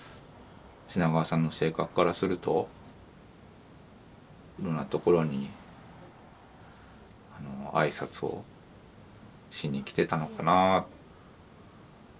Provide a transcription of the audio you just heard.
品川さんの性格からするといろんなところに挨拶をしに来てたのかな。